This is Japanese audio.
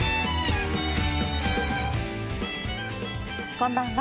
こんばんは。